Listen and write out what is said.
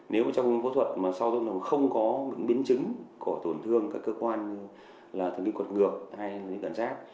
nếu trong phẫu thuật mà sau tuần không có biến chứng của tổn thương các cơ quan là thần kinh quạt ngược hay cận giáp